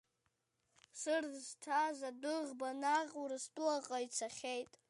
Сыр зҭаз адәыӷба наҟ Урыстәылаҟа ицахьеит!